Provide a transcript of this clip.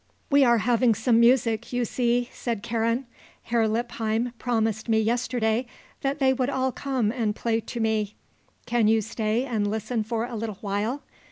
"We are having some music, you see," said Karen. "Herr Lippheim promised me yesterday that they would all come and play to me. Can you stay and listen for a little while?